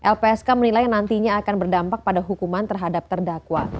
lpsk menilai nantinya akan berdampak pada hukuman terhadap terdakwa